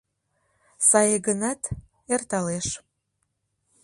Сае гынат, эрталеш.